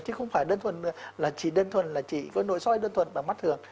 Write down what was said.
chứ không phải đơn thuần là chỉ đơn thuần là chỉ với nội soi đơn thuần và mất thường